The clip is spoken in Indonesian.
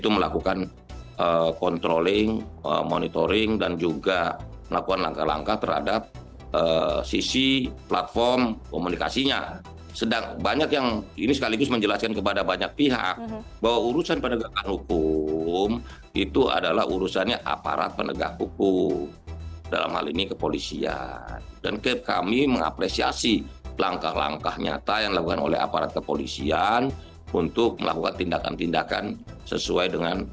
sama sama bersepakat serius berkomitmen untuk pemerintahan judi online ini